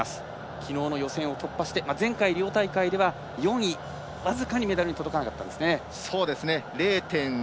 きのうの予選を突破して前回リオ大会では４位、僅かにメダルに届かなかったですね。